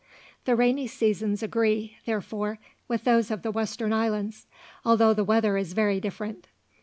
The rainy seasons agree, therefore, with those of the western islands, although the weather is very different.